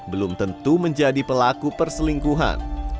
belum tentu menjadi pelaku perselingkuhan